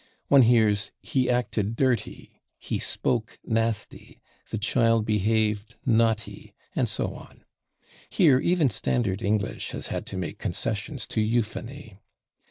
One hears "he acted /dirty/," "he spoke /nasty/," "the child behaved /naughty/," and so on. Here even standard English has had to make concessions to euphony.